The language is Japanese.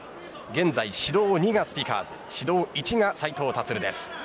現在指導２がスピカーズ指導１が斉藤立です。